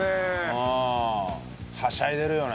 はしゃいでるね。